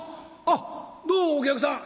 「あっどうもお客さん。